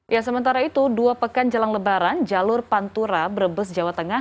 ya sementara itu dua pekan jelang lebaran jalur pantura brebes jawa tengah